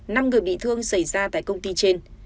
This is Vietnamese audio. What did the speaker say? năm người bị thương xảy ra tại công ty trên